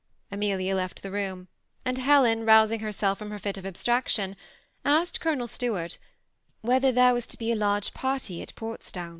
Amelia left the room, and Helen, rousing herself from her fit of abstraction, asked Oolonel Stoffi*! ^ whether, there was to be a large party at Fortsdown."